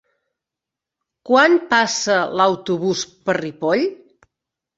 Quan passa l'autobús per Ripoll?